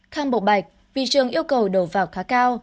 thang bộ bạch vì trường yêu cầu đầu vào khá cao